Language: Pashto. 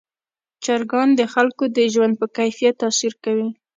چرګان د خلکو د ژوند په کیفیت تاثیر کوي.